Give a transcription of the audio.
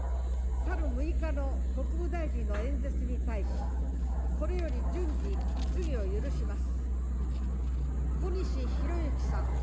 去る６日の国務大臣の演説に対し、これより順次、質疑を許します。